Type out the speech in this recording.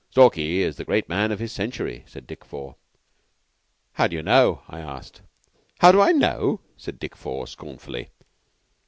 "Stalky is the great man of his Century," said Dick Four. "How d'you know?" I asked. "How do I know?" said Dick Four, scornfully.